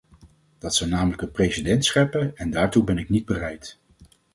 Dat zou namelijk een precedent scheppen, en daartoe ben ik niet bereid.